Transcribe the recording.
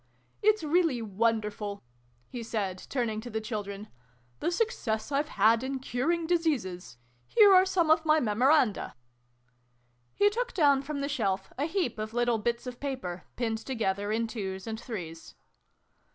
It's really wonderful" XX] GAMMON AND SPINACH. 315 he said, turning to the children, "the suc cess I've had in curing Diseases! Here are some of my memoranda." He took down from the shelf a heap of little bits of paper, pinned together in twos and threes.